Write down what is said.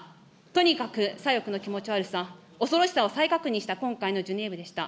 とにかく左翼の気持ち悪さ、恐ろしさを再確認した今回のジュネーブでした。